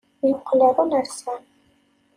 Yeqqel ɣer unersam.